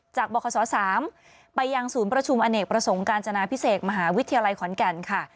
บคศ๓ไปยังศูนย์ประชุมอเนกประสงค์การจนาพิเศษมหาวิทยาลัยขอนแก่นค่ะ